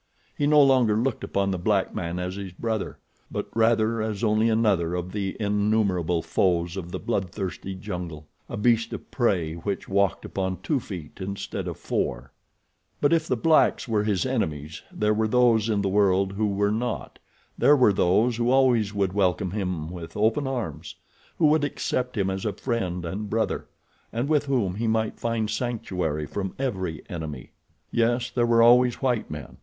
He no longer looked upon the black man as his brother; but rather as only another of the innumerable foes of the bloodthirsty jungle—a beast of prey which walked upon two feet instead of four. But if the blacks were his enemies there were those in the world who were not. There were those who always would welcome him with open arms; who would accept him as a friend and brother, and with whom he might find sanctuary from every enemy. Yes, there were always white men.